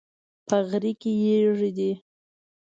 په غره کې یږي دي